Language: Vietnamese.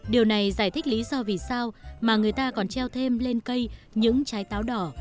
điều này giải thích lý do vì sao mà người ta còn treo thêm lên cây những trái táo đỏ